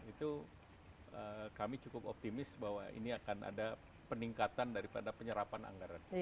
itu kami cukup optimis bahwa ini akan ada peningkatan daripada penyerapan anggaran